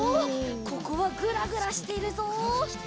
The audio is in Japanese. ここはグラグラしているぞ！